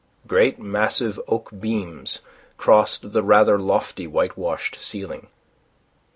Great massive oak beams crossed the rather lofty whitewashed ceiling.